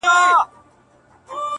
او هر یو د خپل فکر او نظر خاوند دی -